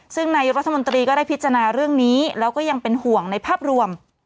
ซึ่งนายรัฐมนตรีก็ได้พิจารณาเรื่องนี้แล้วก็ยังเป็นห่วงในภาพรวม